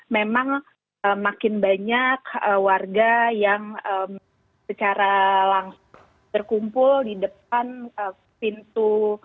memang makin banyak warga yang secara langsung berkumpul di depan pintu